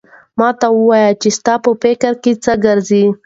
ما ته وایه چې ستا په فکر کې څه ګرځي؟